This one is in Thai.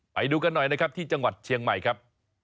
ไปดูกันหน่อยนะครับที่จังหวัดเชียงใหม่ครับ